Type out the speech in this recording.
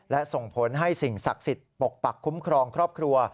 และส่งผลให้สิ่งศักดิ์สิทธิ์ปกปักคุ้มครองครอบครัว